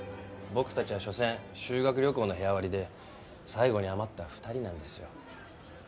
僕たちはしょせん修学旅行の部屋割りで最後に余った２人なんですよ。